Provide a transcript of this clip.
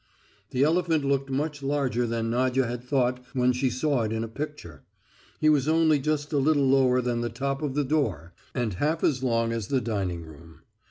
The elephant looked much larger than Nadya had thought when she saw it in a picture. He was only just a little lower than the top of the door, and half as long as the dining room.